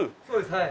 はい。